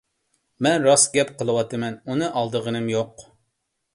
مەن راست گەپ قىلىۋاتىمەن، ئۇنى ئالدىغىنىم يوق.